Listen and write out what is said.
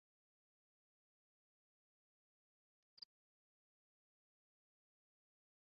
মসজিদের বিভিন্ন দৃশ্য